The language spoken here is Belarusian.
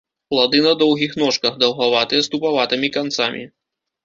Плады на доўгіх ножках, даўгаватыя, з тупаватымі канцамі.